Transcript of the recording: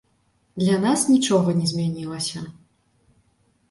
Для нас нічога не змянілася.